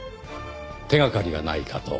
手掛かりがないかと。